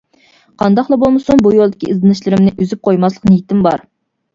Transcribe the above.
قانداقلا بولمىسۇن بۇ يولدىكى ئىزدىنىشلىرىمنى ئۈزۈپ قويماسلىق نىيىتىم بار.